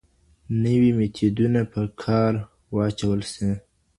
نوي میتودونه به په کار واچول سي.